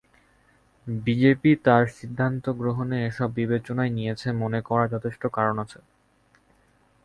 BJP তার সিদ্ধান্ত গ্রহণে এসব বিবেচনায় নিয়েছে মনে করার যথেষ্ট কারণ আছে।